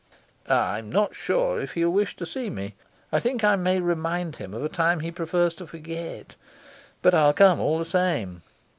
"I'm not sure if he'll wish to see me. I think I may remind him of a time he prefers to forget. But I'll come all the same.